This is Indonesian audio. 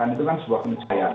itu kan sebuah kemisayaan